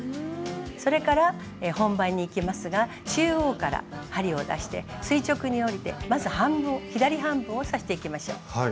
それから本番にいきますが中央から針を出して垂直に下りてまず左半分を刺していきましょう。